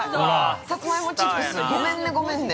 さつまいもチップスごめんね、ごめんね。